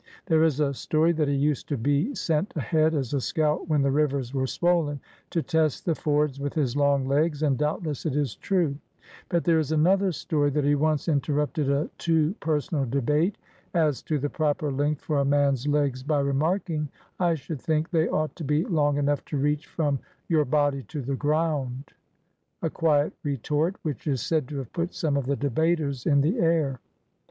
There is a story that he used to be sent ahead as a scout when the rivers were swollen, to test the fords with his long legs, and doubtless it is true; but there is another stoiy that he once interrupted a too personal debate as to the proper length for a man's legs by remarking, "I should think they ought to be long enough to reach from your body to the ground," a quiet retort which is said to have put some of the debaters in the air.